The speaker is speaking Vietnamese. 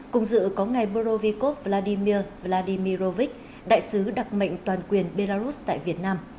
cùng dự có ngày burovikov vladimir vladimirovich đại sứ đặc mệnh toàn quyền belarus tại việt nam